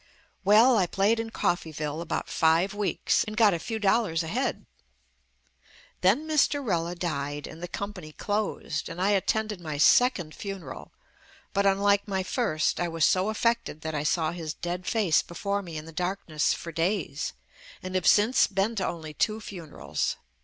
Well, I played in Coffeyville about five weeks, and got a few dollars ahead. Then Mr. Rella died, and the company closed, and I at tended my second funeral, but unlike my first, I was so affected that I saw his dead face be fore me in the darkness for days, and have since been to only two funerals.